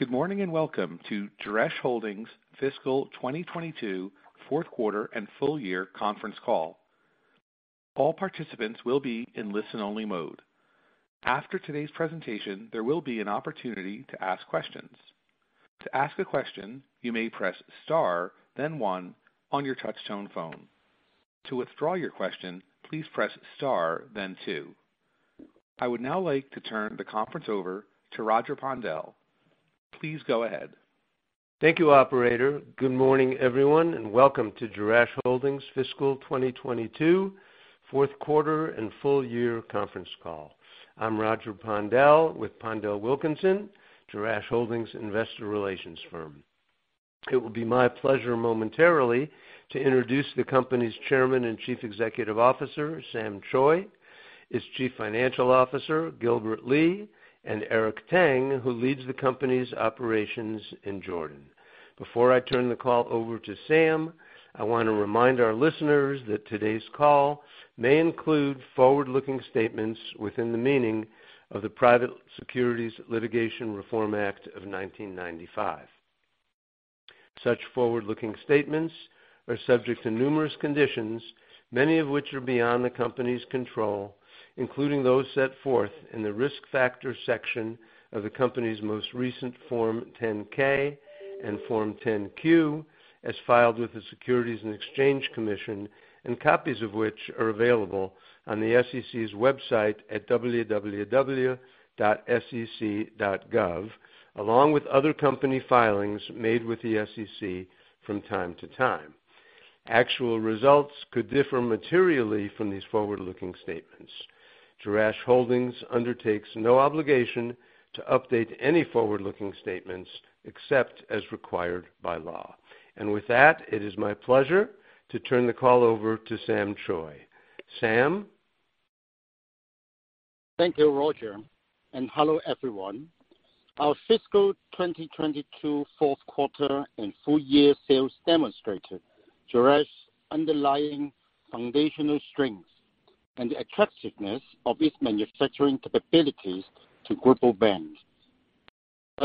Good morning, and welcome to Jerash Holdings fiscal 2022 fourth quarter and full year conference call. All participants will be in listen-only mode. After today's presentation, there will be an opportunity to ask questions. To ask a question, you may press Star, then one on your touchtone phone. To withdraw your question, please press star then two. I would now like to turn the conference over to Roger Pondel. Please go ahead. Thank you, operator. Good morning, everyone, and welcome to Jerash Holdings Fiscal 2022 fourth quarter and full year conference call. I'm Roger Pondel with PondelWilkinson, Jerash Holdings investor relations firm. It will be my pleasure momentarily to introduce the company's chairman and chief executive officer, Sam Choi, its chief financial officer, Gilbert Lee, and Eric Tang, who leads the company's operations in Jordan. Before I turn the call over to Sam, I want to remind our listeners that today's call may include forward-looking statements within the meaning of the Private Securities Litigation Reform Act of 1995. Such forward-looking statements are subject to numerous conditions, many of which are beyond the company's control, including those set forth in the Risk Factors section of the company's most recent Form 10-K and Form 10-Q as filed with the Securities and Exchange Commission, and copies of which are available on the SEC's website at www.sec.gov, along with other company filings made with the SEC from time to time. Actual results could differ materially from these forward-looking statements. Jerash Holdings undertakes no obligation to update any forward-looking statements except as required by law. With that, it is my pleasure to turn the call over to Sam Choi. Sam? Thank you, Roger, and hello, everyone. Our fiscal 2022 fourth quarter and full year sales demonstrated Jerash underlying foundational strengths and the attractiveness of its manufacturing capabilities to global brands.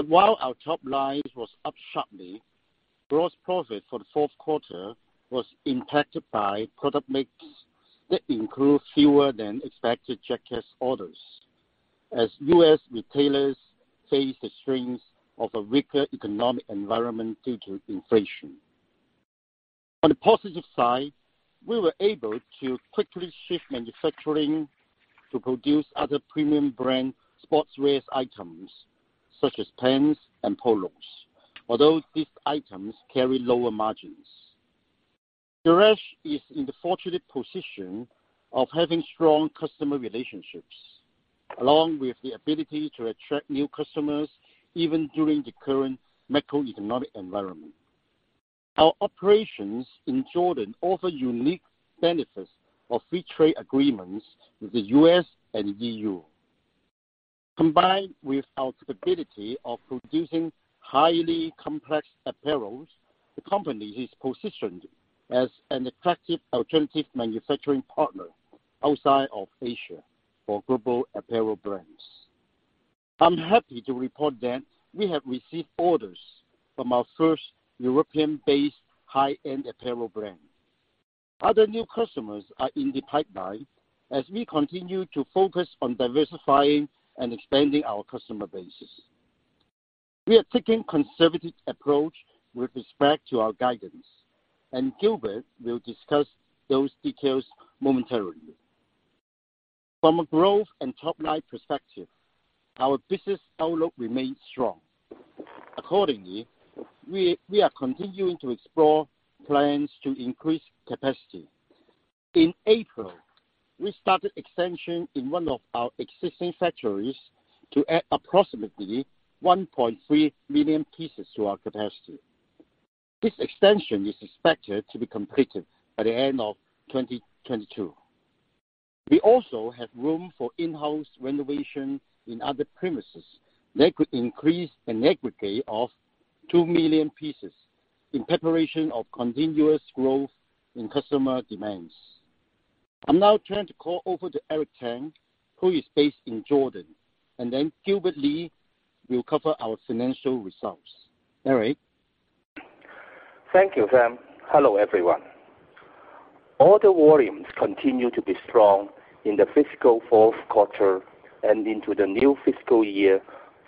While our top line was up sharply, gross profit for the fourth quarter was impacted by product mix that include fewer than expected jackets orders as U.S. retailers face the strains of a weaker economic environment due to inflation. On the positive side, we were able to quickly shift manufacturing to produce other premium brand sportswear items such as pants and polos. Although these items carry lower margins. Jerash is in the fortunate position of having strong customer relationships, along with the ability to attract new customers even during the current macroeconomic environment. Our operations in Jordan offer unique benefits of free trade agreements with the U.S. and E.U. Combined with our capability of producing highly complex apparels, the company is positioned as an attractive alternative manufacturing partner outside of Asia for global apparel brands. I'm happy to report that we have received orders from our first European-based high-end apparel brand. Other new customers are in the pipeline as we continue to focus on diversifying and expanding our customer bases. We are taking conservative approach with respect to our guidance, and Gilbert will discuss those details momentarily. From a growth and top-line perspective, our business outlook remains strong. Accordingly, we are continuing to explore plans to increase capacity. In April, we started expansion in one of our existing factories to add approximately 1.3 million pieces to our capacity. This extension is expected to be completed by the end of 2022. We also have room for in-house renovation in other premises that could increase an aggregate of 2 million pieces in preparation of continuous growth in customer demands. I'll now turn the call over to Eric Tang, who is based in Jordan, and then Gilbert Lee will cover our financial results. Eric? Thank you, Sam. Hello, everyone. Order volumes continue to be strong in the fiscal fourth quarter and into the new fiscal year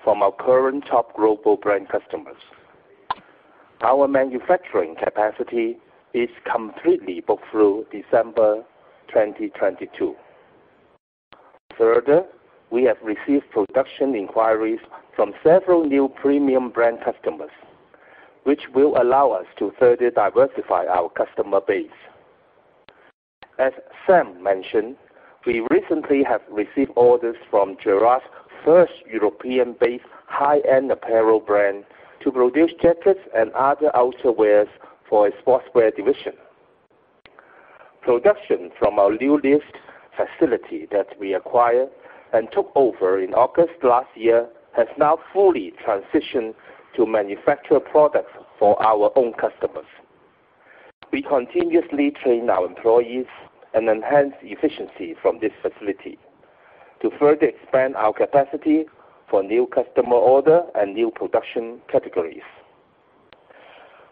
from our current top global brand customers. Our manufacturing capacity is completely booked through December 2022. Further, we have received production inquiries from several new premium brand customers, which will allow us to further diversify our customer base. As Sam mentioned, we recently have received orders from Jerash's first European-based high-end apparel brand to produce jackets and other outerwear for a sportswear division. Production from our new lease facility that we acquired and took over in August last year has now fully transitioned to manufacture products for our own customers. We continuously train our employees and enhance efficiency from this facility to further expand our capacity for new customer order and new production categories.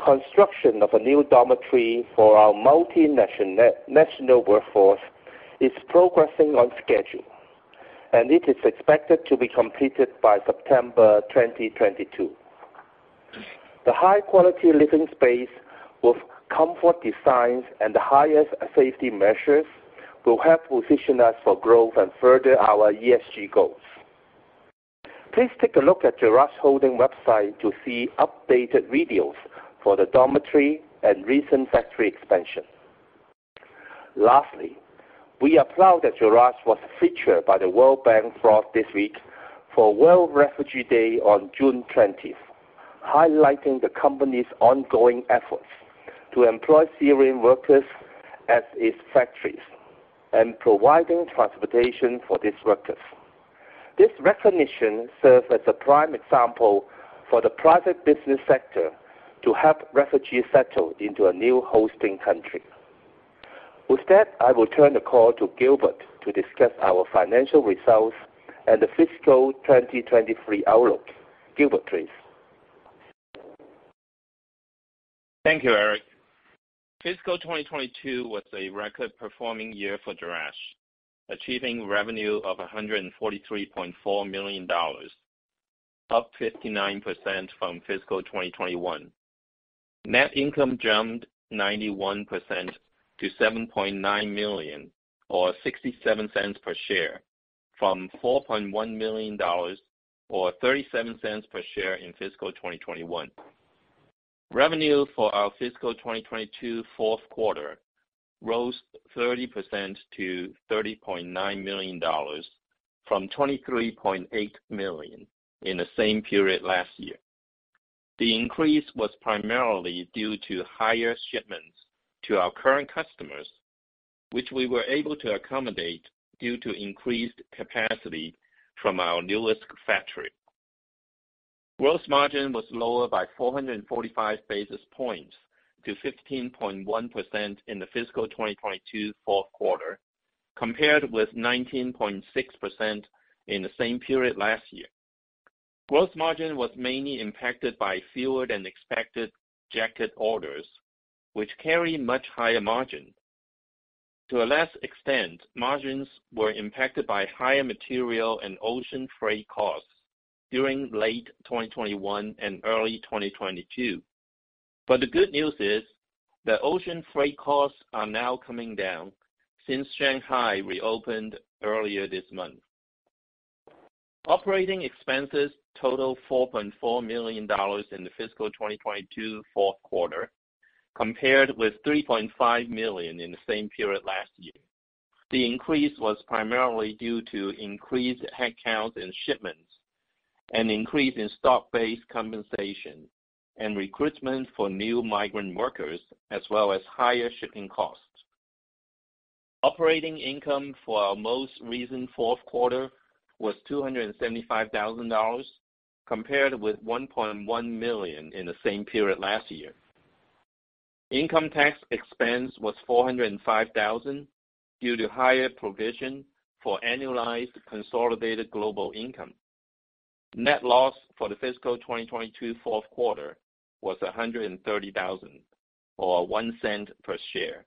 Construction of a new dormitory for our multinational workforce is progressing on schedule, and it is expected to be completed by September 2022. The high quality living space with comfort designs and the highest safety measures will help position us for growth and further our ESG goals. Please take a look at Jerash Holdings website to see updated videos for the dormitory and recent factory expansion. Lastly, we are proud that Jerash was featured by the World Bank award this week for World Refugee Day on June 20, highlighting the company's ongoing efforts to employ Syrian workers at its factories and providing transportation for these workers. This recognition serves as a prime example for the private business sector to help refugees settle into a new hosting country. With that, I will turn the call to Gilbert to discuss our financial results and the fiscal 2023 outlook. Gilbert, please. Thank you, Eric. Fiscal 2022 was a record performing year for Jerash, achieving revenue of $143.4 million, up 59% from fiscal 2021. Net income jumped 91% to $7.9 million or $0.67 per share from $4.1 million, or $0.37 per share in fiscal 2021. Revenue for our fiscal 2022 fourth quarter rose 30% to $30.9 million from $23.8 million in the same period last year. The increase was primarily due to higher shipments to our current customers, which we were able to accommodate due to increased capacity from our newest factory. Gross margin was lower by 445 basis points to 15.1% in the fiscal 2022 fourth quarter, compared with 19.6% in the same period last year. Gross margin was mainly impacted by fewer than expected jacket orders, which carry much higher margin. To a lesser extent, margins were impacted by higher material and ocean freight costs during late 2021 and early 2022. The good news is that ocean freight costs are now coming down since Shanghai reopened earlier this month. Operating expenses total $4.4 million in the fiscal 2022 fourth quarter, compared with $3.5 million in the same period last year. The increase was primarily due to increased headcount and shipments and increase in stock-based compensation and recruitment for new migrant workers, as well as higher shipping costs. Operating income for our most recent fourth quarter was $275,000, compared with $1.1 million in the same period last year. Income tax expense was $405 thousand due to higher provision for annualized consolidated global income. Net loss for the fiscal 2022 fourth quarter was $130 thousand or $0.01 per share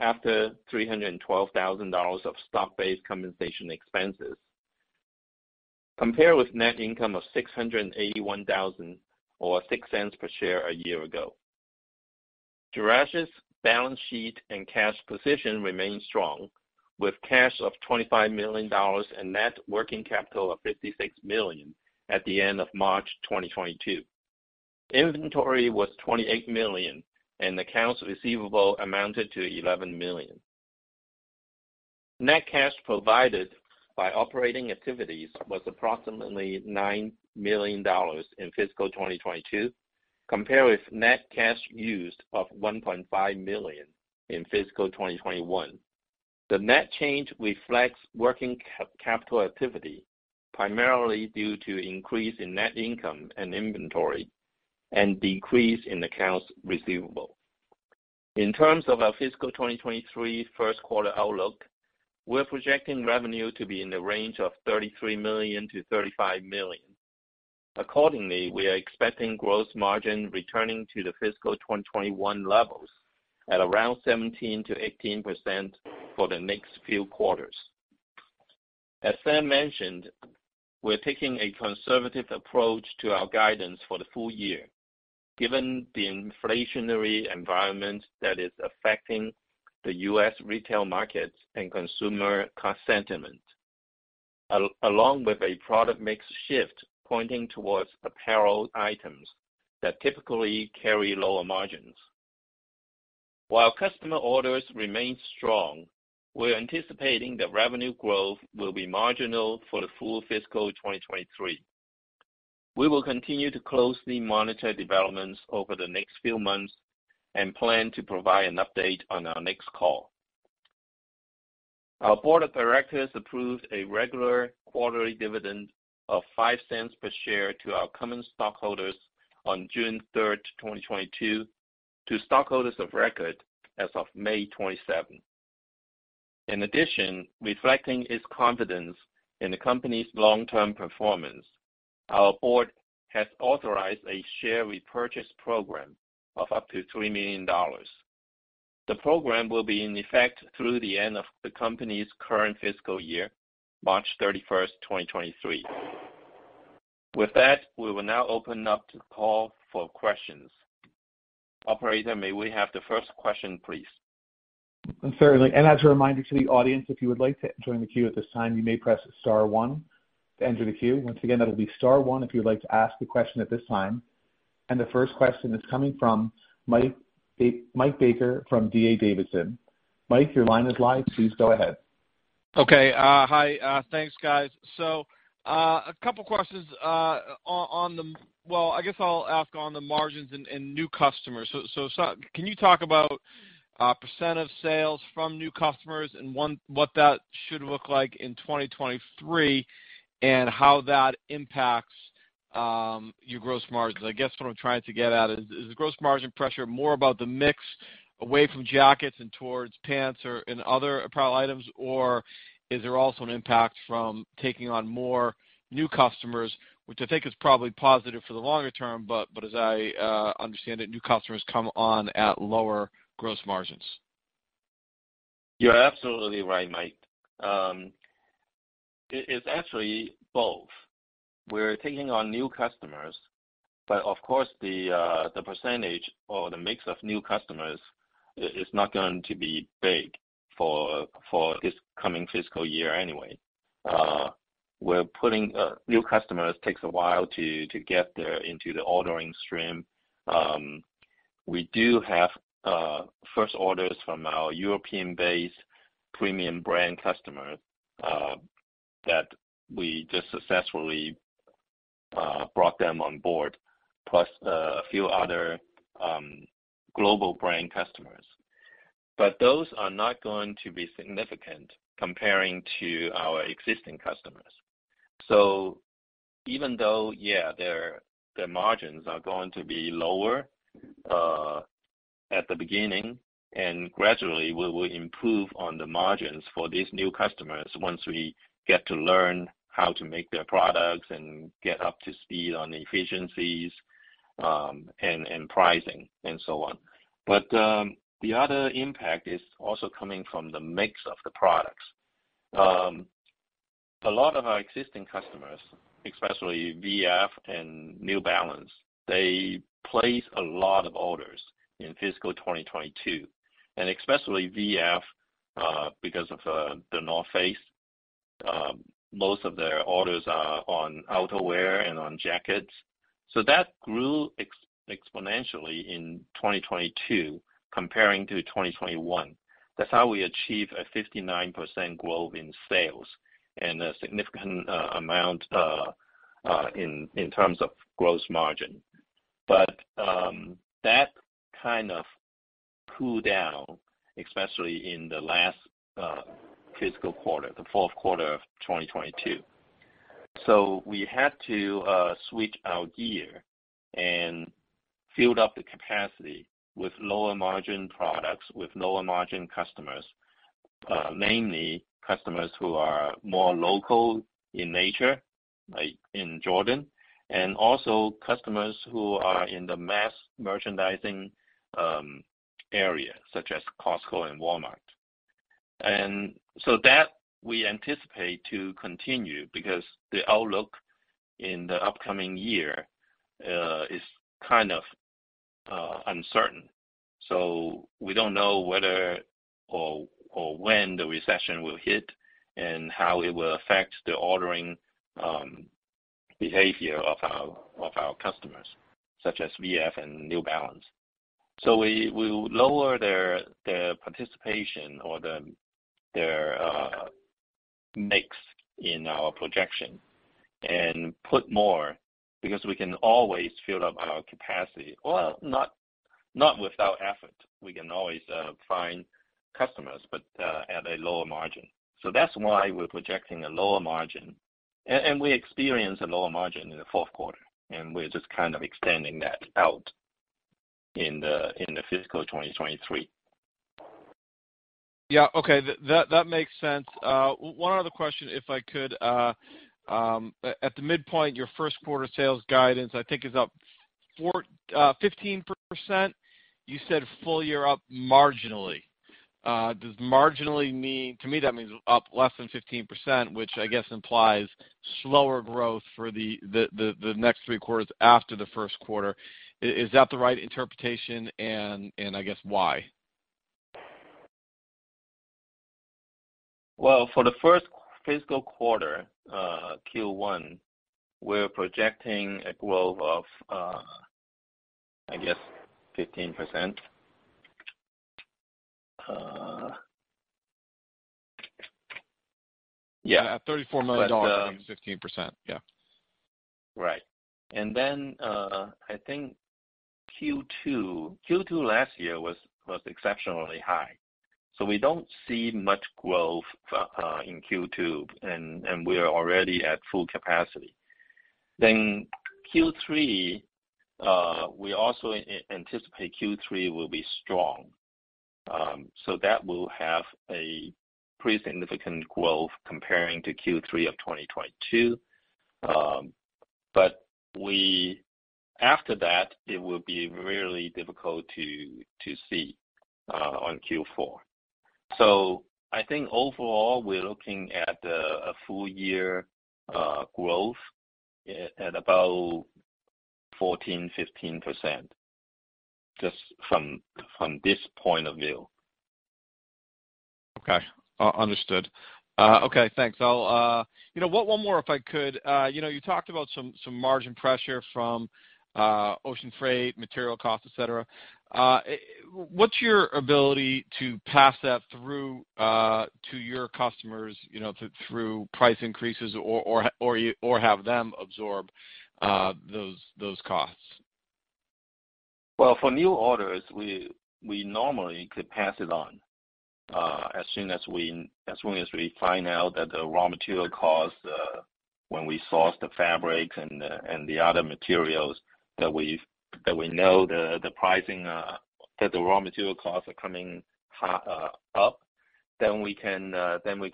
after $312 thousand of stock-based compensation expenses. Compared with net income of $681 thousand or $0.06 per share a year ago. Jerash's balance sheet and cash position remain strong with cash of $25 million and net working capital of $56 million at the end of March 2022. Inventory was $28 million and accounts receivable amounted to $11 million. Net cash provided by operating activities was approximately $9 million in fiscal 2022, compared with net cash used of $1.5 million in fiscal 2021. The net change reflects working capital activity, primarily due to increase in net income and inventory and decrease in accounts receivable. In terms of our fiscal 2023 first quarter outlook, we're projecting revenue to be in the range of $33 million-$35 million. Accordingly, we are expecting gross margin returning to the fiscal 2021 levels at around 17%-18% for the next few quarters. As Sam mentioned, we're taking a conservative approach to our guidance for the full year, given the inflationary environment that is affecting the U.S. retail markets and consumer sentiment, along with a product mix shift pointing towards apparel items that typically carry lower margins. While customer orders remain strong, we're anticipating that revenue growth will be marginal for the full fiscal 2023. We will continue to closely monitor developments over the next few months and plan to provide an update on our next call. Our board of directors approved a regular quarterly dividend of $0.05 per share to our common stockholders on June 3, 2022, to stockholders of record as of May 27. In addition, reflecting its confidence in the company's long-term performance, our board has authorized a share repurchase program of up to $3 million. The program will be in effect through the end of the company's current fiscal year, March 31, 2023. With that, we will now open up the call for questions. Operator, may we have the first question, please? Certainly. As a reminder to the audience, if you would like to join the queue at this time, you may press star one to enter the queue. Once again, that'll be star one if you'd like to ask a question at this time. The first question is coming from Mike Baker from D.A. Davidson. Mike, your line is live. Please go ahead. Okay. Hi. Thanks, guys. A couple of questions on the margins and new customers. Can you talk about percent of sales from new customers and what that should look like in 2023, and how that impacts your gross margins? I guess what I'm trying to get at is gross margin pressure more about the mix away from jackets and towards pants or and other apparel items, or is there also an impact from taking on more new customers, which I think is probably positive for the longer term, but as I understand it, new customers come on at lower gross margins. You're absolutely right, Mike. It's actually both. We're taking on new customers, but of course, the percentage or the mix of new customers is not going to be big for this coming fiscal year anyway. New customers takes a while to get them into the ordering stream. We do have first orders from our European-based premium brand customers that we just successfully brought them on board, plus a few other global brand customers. But those are not going to be significant compared to our existing customers. Even though their margins are going to be lower at the beginning, and gradually we will improve on the margins for these new customers once we get to learn how to make their products and get up to speed on efficiencies, and pricing and so on. The other impact is also coming from the mix of the products. A lot of our existing customers, especially VF and New Balance, they placed a lot of orders in fiscal 2022, and especially VF because of The North Face. Most of their orders are on outerwear and on jackets. That grew exponentially in 2022 comparing to 2021. That's how we achieve a 59% growth in sales and a significant in terms of gross margin. That kind of cool down, especially in the last fiscal quarter, the fourth quarter of 2022. We had to switch our gear and fill up the capacity with lower margin products, with lower margin customers, mainly customers who are more local in nature, like in Jordan, and also customers who are in the mass merchandising area, such as Costco and Walmart. That we anticipate to continue because the outlook in the upcoming year is kind of uncertain. We don't know whether or when the recession will hit and how it will affect the ordering behavior of our customers, such as VF and New Balance. We will lower their participation or their mix in our projection and put more because we can always fill up our capacity. Well, not without effort. We can always find customers, but at a lower margin. That's why we're projecting a lower margin. We experience a lower margin in the fourth quarter, and we're just kind of extending that out in the fiscal 2023. Yeah. Okay. That makes sense. One other question, if I could. At the midpoint, your first quarter sales guidance, I think is up 15%. You said full year up marginally. Does marginally mean. To me, that means up less than 15%, which I guess implies slower growth for the next three quarters after the first quarter. Is that the right interpretation, and I guess why? Well, for the first fiscal quarter, Q1, we're projecting a growth of, I guess 15%. At $34 million, it would be 15%. Yeah. Right. Then, I think Q2 last year was exceptionally high, so we don't see much growth in Q2, and we're already at full capacity. Then Q3, we also anticipate Q3 will be strong. That will have a pretty significant growth comparing to Q3 of 2022. After that, it will be really difficult to see on Q4. I think overall, we're looking at a full year growth at about 14%-15%, just from this point of view. Okay. Understood. Okay, thanks. I'll, you know what, one more, if I could. You know, you talked about some margin pressure from ocean freight, material cost, et cetera. What's your ability to pass that through to your customers, you know, through price increases or have them absorb those costs? Well, for new orders, we normally could pass it on, as soon as we find out that the raw material costs, when we source the fabrics and the other materials that we know the pricing, that the raw material costs are coming up, then we can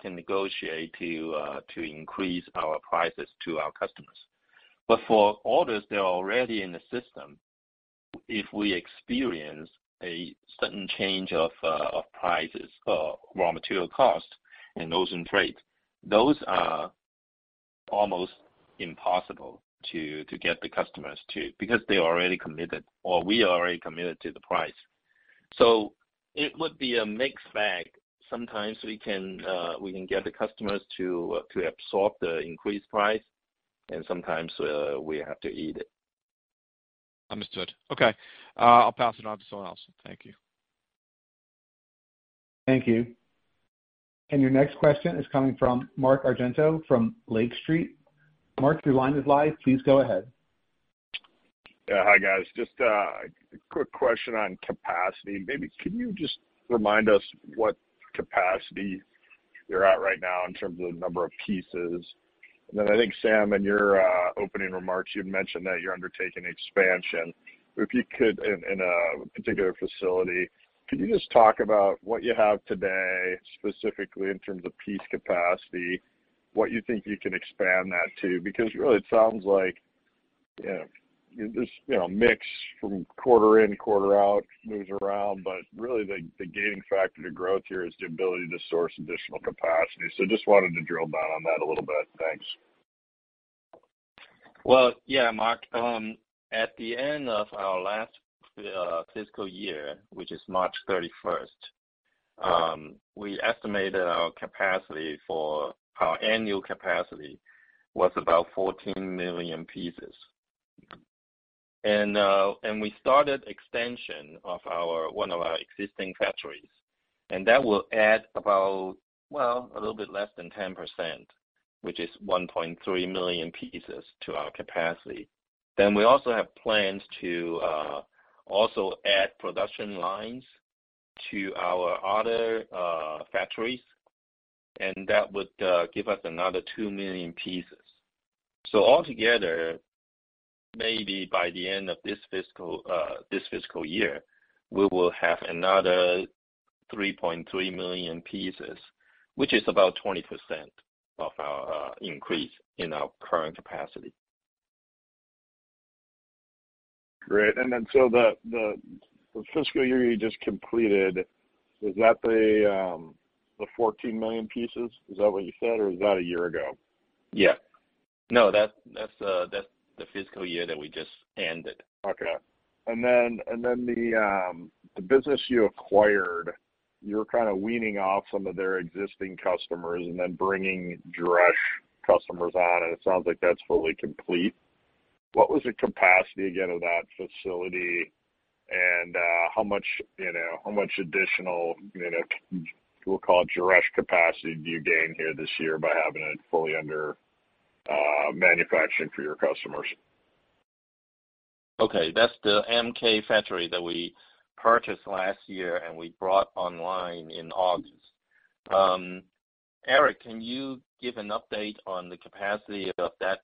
negotiate to increase our prices to our customers. For orders that are already in the system, if we experience a sudden change of prices or raw material costs and ocean freight, those are almost impossible to get the customers to because they're already committed, or we are already committed to the price. It would be a mixed bag. Sometimes we can get the customers to absorb the increased price, and sometimes we have to eat it. Understood. Okay. I'll pass it on to someone else. Thank you. Thank you. Your next question is coming from Mark Argento from Lake Street. Mark, your line is live. Please go ahead. Yeah. Hi, guys. Just a quick question on capacity. Maybe can you just remind us what capacity you're at right now in terms of number of pieces? And then I think, Sam, in your opening remarks, you had mentioned that you're undertaking expansion. If you could, in particular facility, could you just talk about what you have today, specifically in terms of piece capacity, what you think you can expand that to? Because really it sounds like, you know, this, you know, mix from quarter in, quarter out moves around. But really the gaining factor to growth here is the ability to source additional capacity. So just wanted to drill down on that a little bit. Thanks. Well, yeah, Mark. At the end of our last fiscal year, which is March 31st, we estimated our capacity for our annual capacity was about 14 million pieces. We started extension of one of our existing factories, and that will add about, well, a little bit less than 10%, which is 1.3 million pieces to our capacity. We also have plans to also add production lines to our other factories, and that would give us another 2 million pieces. Altogether, maybe by the end of this fiscal year, we will have another 3.3 million pieces, which is about 20% of our increase in our current capacity. Great. The fiscal year you just completed, is that the 14 million pieces? Is that what you said, or is that a year ago? Yeah. No, that's the fiscal year that we just ended. Okay. The business you acquired, you're kind of weaning off some of their existing customers and then bringing fresh customers on, and it sounds like that's fully complete. What was the capacity again of that facility and how much, you know, how much additional, you know, we'll call it fresh capacity do you gain here this year by having it fully under manufacturing for your customers? Okay, that's the MK factory that we purchased last year, and we brought online in August. Eric, can you give an update on the capacity of that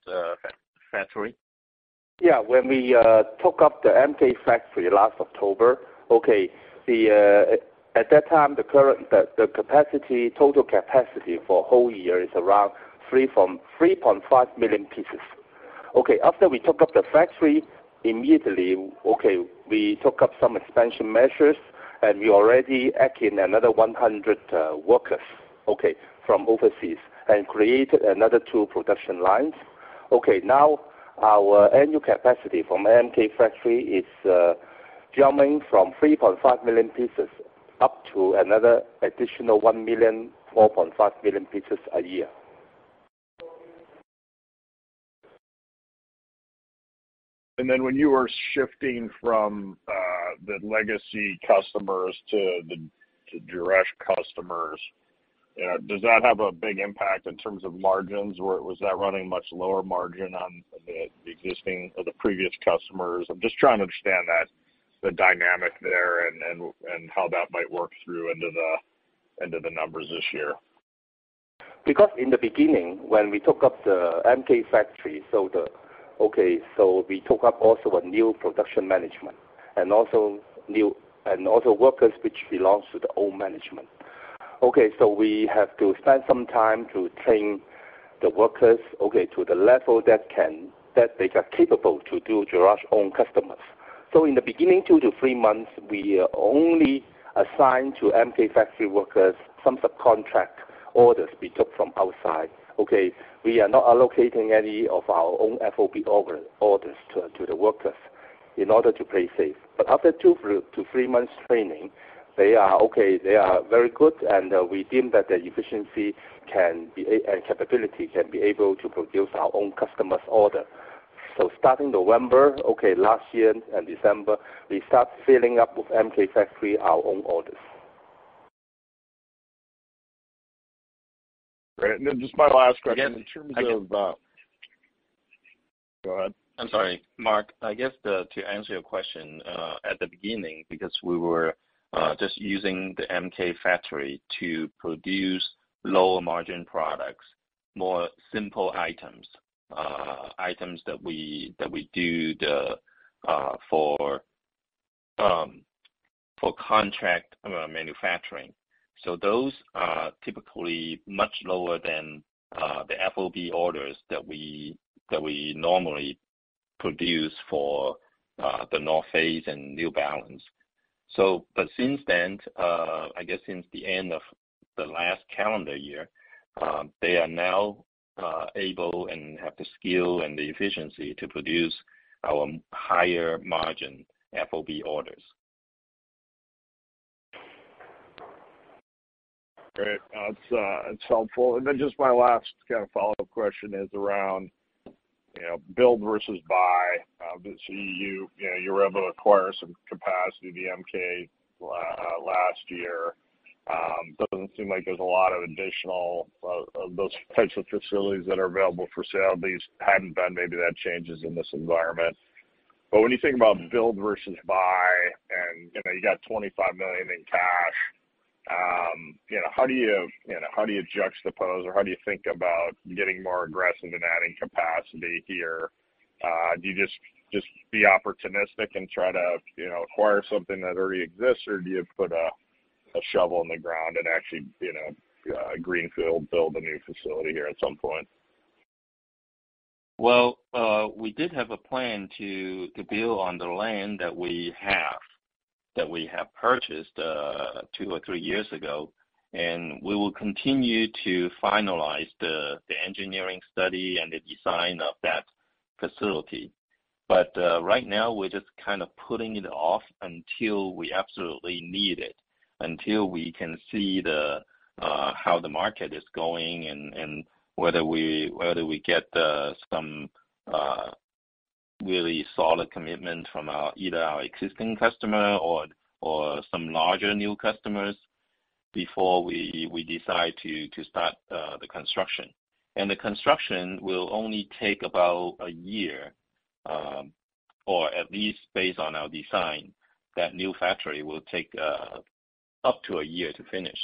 factory? Yeah. When we took up the MK factory last October, at that time, the current total capacity for the whole year is around 3.5 million pieces. After we took up the factory immediately, we took up some expansion measures, and we already add in another 100 workers from overseas and created another two production lines. Now our annual capacity from MK factory is jumping from 3.5 million pieces up to another additional 1 million, 4.5 million pieces a year. When you were shifting from the legacy customers to the Jerash customers, you know, does that have a big impact in terms of margins or was that running much lower margin on the existing or the previous customers? I'm just trying to understand that, the dynamic there and how that might work through into the numbers this year. Because in the beginning, when we took up the MK factory, okay, so we took up also a new production management and also new and also workers which belongs to the old management. Okay, so we have to spend some time to train the workers, okay, to the level that they are capable to do Jerash's own customers. In the beginning, 2-3 months, we only assigned to MK factory workers some subcontract orders we took from outside, okay. We are not allocating any of our own FOB orders to the workers in order to play safe. After 2-3 months training, they are okay, they are very good and we deem that their efficiency and capability can be able to produce our own customers' order. Starting November of last year and December, we start filling up with MK factory our own orders. Great. Just my last question. In terms of, Go ahead. I'm sorry. Mark, I guess to answer your question at the beginning, because we were just using the MK factory to produce lower margin products, more simple items that we do for contract manufacturing. Those are typically much lower than the FOB orders that we normally produce for The North Face and New Balance. But since then, I guess since the end of the last calendar year, they are now able and have the skill and the efficiency to produce our higher margin FOB orders. Great. That's helpful. Then just my last kind of follow-up question is around, you know, build versus buy. Obviously you know you were able to acquire some capacity at the MK last year. Doesn't seem like there's a lot of additional of those types of facilities that are available for sale, at least hadn't been, maybe that changes in this environment. When you think about build versus buy and, you know, you got $25 million in cash, you know, how do you know, how do you juxtapose or how do you think about getting more aggressive in adding capacity here? Do you just be opportunistic and try to, you know, acquire something that already exists or do you put a shovel in the ground and actually, you know, greenfield build a new facility here at some point? Well, we did have a plan to build on the land that we have purchased two or three years ago, and we will continue to finalize the engineering study and the design of that facility. Right now we're just kind of putting it off until we absolutely need it, until we can see how the market is going and whether we get some really solid commitment from either our existing customer or some larger new customers before we decide to start the construction. The construction will only take about a year, or at least based on our design, that new factory will take up to a year to finish.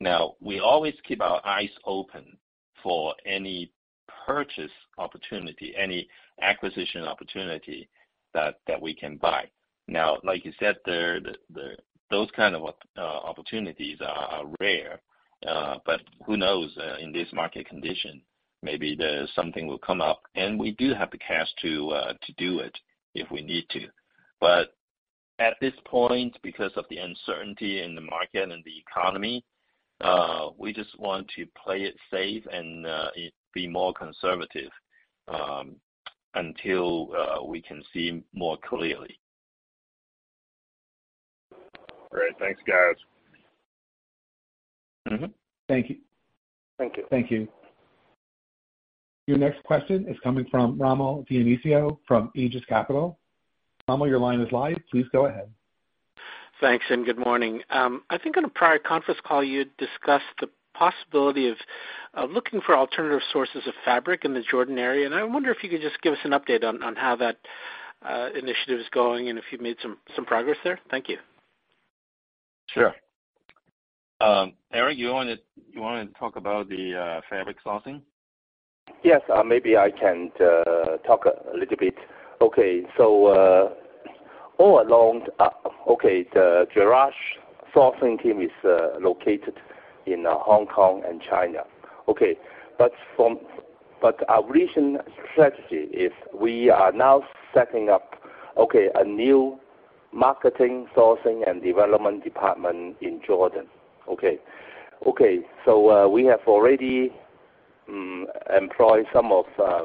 Now, we always keep our eyes open for any purchase opportunity, any acquisition opportunity that we can buy. Now, like you said, those kind of opportunities are rare. Who knows, in this market condition, maybe there's something will come up and we do have the cash to do it if we need to. At this point, because of the uncertainty in the market and the economy, we just want to play it safe and be more conservative, until we can see more clearly. Great. Thanks, guys. Mm-hmm. Thank you. Thank you. Thank you. Your next question is coming from Rommel Dionisio from Aegis Capital. Rommel, your line is live. Please go ahead. Thanks, good morning. I think in a prior conference call you discussed the possibility of looking for alternative sources of fabric in the Jordan area, and I wonder if you could just give us an update on how that initiative is going and if you've made some progress there. Thank you. Sure. Eric, you wanna talk about the fabric sourcing? Yes. Maybe I can talk a little bit. All along, the Jerash sourcing team is located in Hong Kong and China. But our recent strategy is we are now setting up a new marketing, sourcing, and development department in Jordan. We have already employed some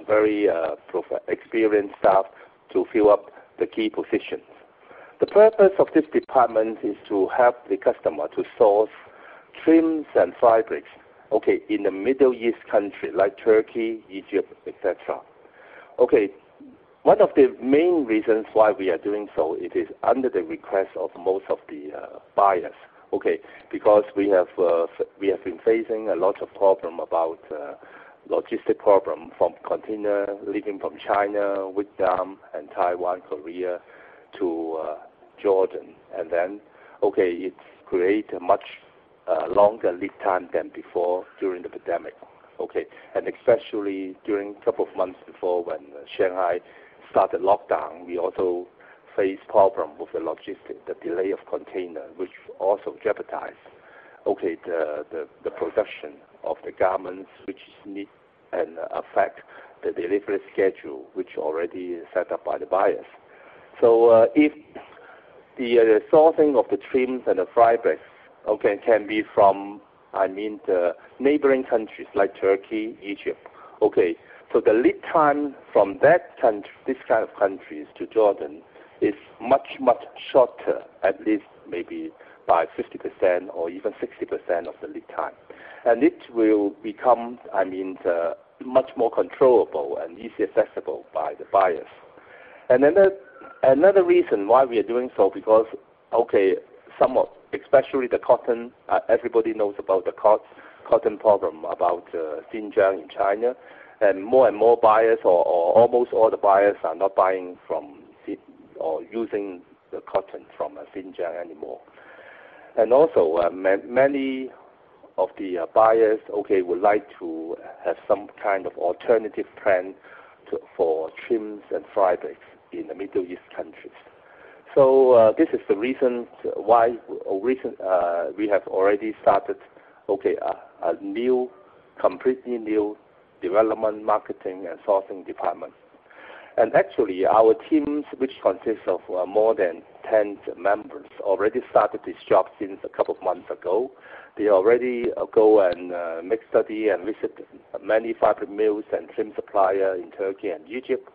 very experienced staff to fill up the key positions. The purpose of this department is to help the customer to source trims and fabrics in the Middle East countries, like Turkey, Egypt, et cetera. One of the main reasons why we are doing so, it is at the request of most of the buyers. Because we have been facing a lot of problems about logistics problems from containers leaving from China, Vietnam, Taiwan, Korea to Jordan. It creates a much longer lead time than before during the pandemic. Especially during couple of months before when Shanghai started lockdown, we also faced problems with the logistics, the delay of containers, which also jeopardizes the production of the garments we need and affects the delivery schedule, which already is set up by the buyers. If the sourcing of the trims and the fabrics can be from, I mean, the neighboring countries like Turkey, Egypt. The lead time from this kind of countries to Jordan is much, much shorter, at least maybe by 50% or even 60% of the lead time. It will become, I mean, the much more controllable and easy accessible by the buyers. Another reason why we are doing so because some, especially the cotton, everybody knows about the cotton problem about Xinjiang in China. More and more buyers or almost all the buyers are not buying from or using the cotton from Xinjiang anymore. Also, many of the buyers would like to have some kind of alternative plan for trims and fabrics in the Middle East countries. This is the reason why or reason we have already started a completely new development, marketing and sourcing department. Actually, our teams, which consists of more than 10 members, already started this job since a couple of months ago. They already go and make study and visit many fabric mills and trim supplier in Turkey and Egypt,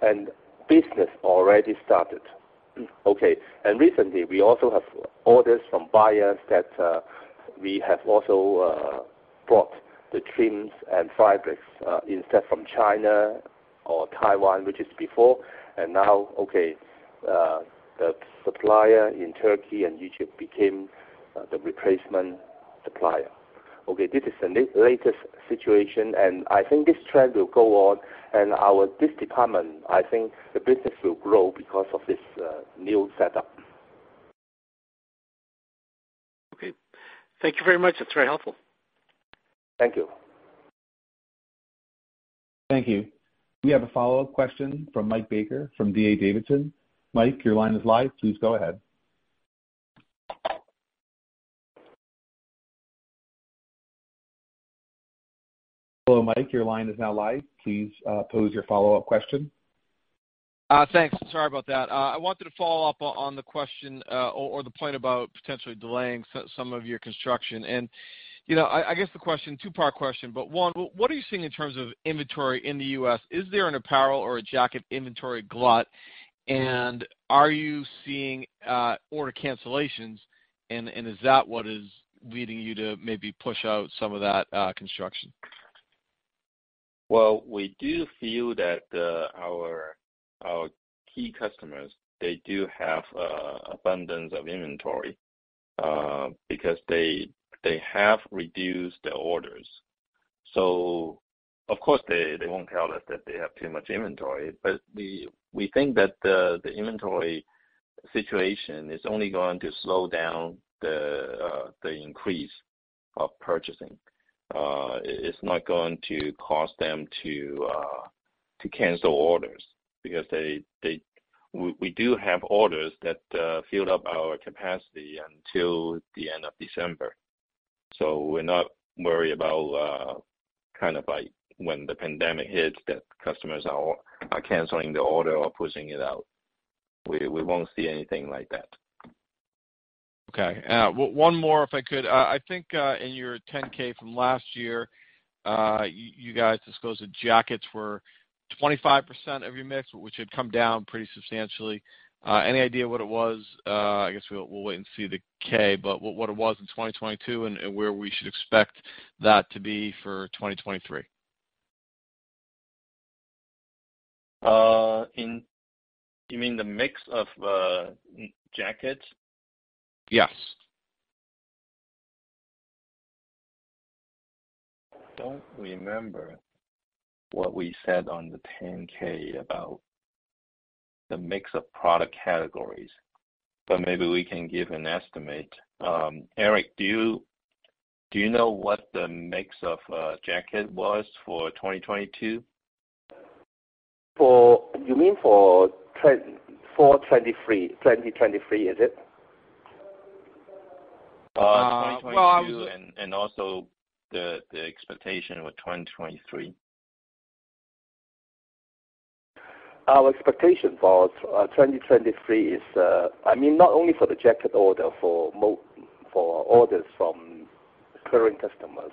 and business already started. Okay. Recently, we also have orders from buyers that we have also brought the trims and fabrics instead from China or Taiwan, which is before. Now, okay, the supplier in Turkey and Egypt became the replacement supplier. Okay, this is the latest situation, and I think this trend will go on. This department, I think the business will grow because of this new setup. Okay. Thank you very much. That's very helpful. Thank you. Thank you. We have a follow-up question from Mike Baker from D.A. Davidson. Mike, your line is live. Please go ahead. Hello, Mike. Your line is now live. Please, pose your follow-up question. Thanks. Sorry about that. I wanted to follow up on the question or the point about potentially delaying some of your construction. You know, I guess the question, two-part question, but one, what are you seeing in terms of inventory in the U.S.? Is there an apparel or a jacket inventory glut? And are you seeing order cancellations and is that what is leading you to maybe push out some of that construction? Well, we do feel that our key customers, they do have abundance of inventory because they have reduced their orders. Of course they won't tell us that they have too much inventory. We think that the inventory situation is only going to slow down the increase of purchasing. It's not going to cause them to cancel orders. We do have orders that fill up our capacity until the end of December. We're not worried about kind of like when the pandemic hits, that customers are canceling the order or pushing it out. We won't see anything like that. Okay. One more, if I could. I think in your 10-K from last year you guys disclosed that jackets were 25% of your mix, which had come down pretty substantially. Any idea what it was? I guess we'll wait and see the 10-K, but what it was in 2022 and where we should expect that to be for 2023? Do you mean the mix of men's jackets? Yes. Don't remember what we said on the 10-K about the mix of product categories, but maybe we can give an estimate. Eric, do you know what the mix of jacket was for 2022? You mean for 2023, is it? Um, well- 2022 and also the expectation with 2023. Our expectation for 2023 is, I mean, not only for the jacket order, for orders from current customers.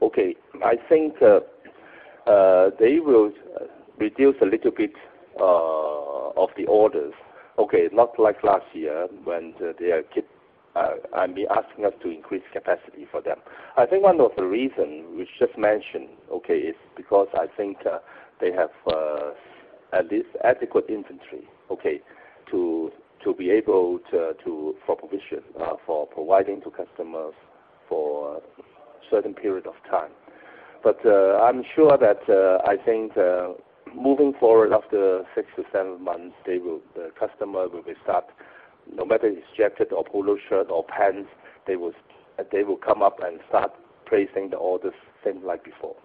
Okay, I think they will reduce a little bit of the orders, okay, not like last year when they keep, I mean, asking us to increase capacity for them. I think one of the reason we just mentioned, okay, is because I think they have at least adequate inventory, okay, to be able to for providing to customers for certain period of time. I'm sure that, I think, moving forward after 6-7 months, the customer will be start, no matter it's jacket or polo shirt or pants, they will come up and start placing the orders same like before.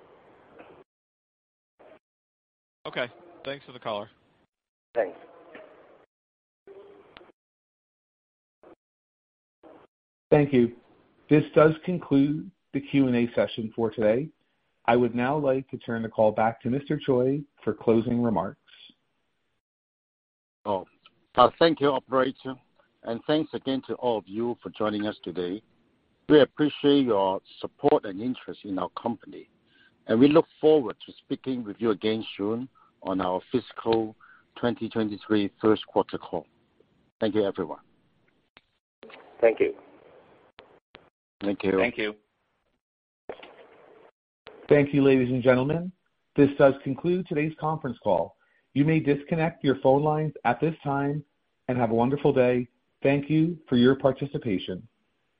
Okay. Thanks for the color. Thanks. Thank you. This does conclude the Q&A session for today. I would now like to turn the call back to Mr. Choi for closing remarks. Thank you, operator. Thanks again to all of you for joining us today. We appreciate your support and interest in our company, and we look forward to speaking with you again soon on our fiscal 2023 first quarter call. Thank you, everyone. Thank you. Thank you. Thank you. Thank you, ladies and gentlemen. This does conclude today's conference call. You may disconnect your phone lines at this time, and have a wonderful day. Thank you for your participation.